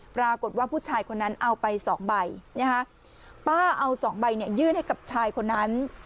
ปรากฏว่าผู้ชายคนนั้นเอาไป๒ใบป้าเอา๒ใบยื่นให้กับชายคนนั้น